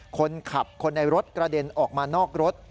คนขับคนในรถกระเด็นออกมานอกรถ